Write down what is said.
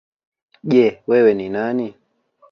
Je! Wewe ni nani?